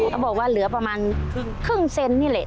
เขาบอกว่าเหลือประมาณครึ่งเซนนี่แหละ